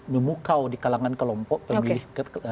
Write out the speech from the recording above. memukau di kalangan kelompok pemilih